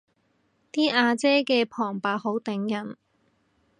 啲阿姐嘅旁白好頂癮